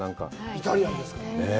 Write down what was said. イタリアンですからね。